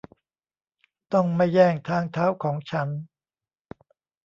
ต้องไม่แย่งทางเท้าของฉัน